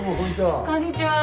こんにちは。